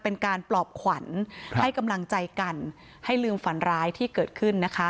เป็นการปลอบขวัญให้กำลังใจกันให้ลืมฝันร้ายที่เกิดขึ้นนะคะ